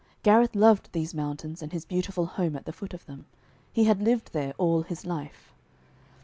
Gareth loved these mountains and his beautiful home at the foot of them. He had lived there all his life.